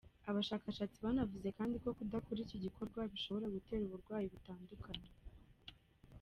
Abashakashatsi banavuze kandi ko kudakora iki gikorwa bishobora gutera uburwayi butandukanye.